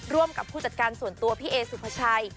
ร่วมกับผู้จัดการส่วนตัวพี่เอสุภาชัย